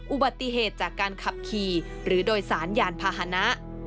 อุบัติเหตุจากการขับขี่หรือโดยสารยานพาหนะ